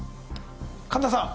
神田さん